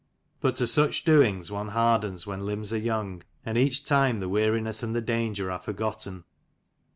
But to such doings one hardens when limbs are young, and each time the weariness and the danger are forgotten.